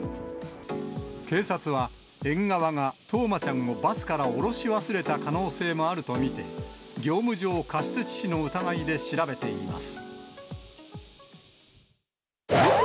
警察は園側が冬生ちゃんをバスから降ろし忘れた可能性もあると見て、業務上過失致死の疑いで調べています。